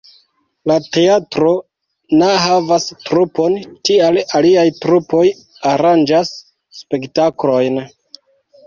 La teatro na havas trupon, tial aliaj trupoj aranĝas spektaklojn.